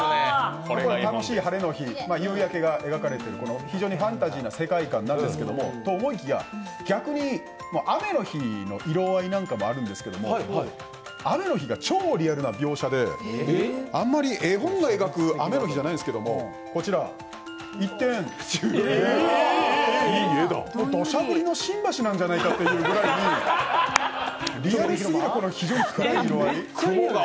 楽しい晴れの日、夕焼けが描かれている非常にファンタジーな世界観なんですけどと思いきや逆に雨の日の色合いなんかもあるんですけど雨の日が超リアルな描写で、あまり絵本が描く雨の日じゃないんですけどこちら、一転、どしゃぶりの新橋なんじゃないかというリアルすぎる非常に暗い色合い。